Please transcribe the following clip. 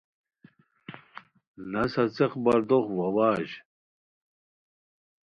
نسہ څیق بردوخ وا واژ